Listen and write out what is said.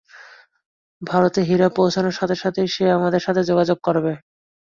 ভারতে হীরা পৌঁছানোর সাথে সাথেই সে আমাদের সাথে যোগাযোগ করবে।